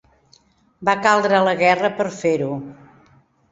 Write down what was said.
Va caldre la guerra per fer-ho.